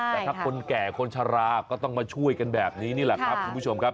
แต่ถ้าคนแก่คนชะลาก็ต้องมาช่วยกันแบบนี้นี่แหละครับคุณผู้ชมครับ